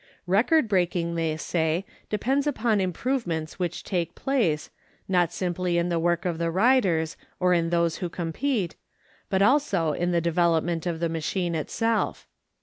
Record breaking, they say, depends upon improvements which take place, not simply in the work of the riders or in those who compete, but also in the development of the machine itself.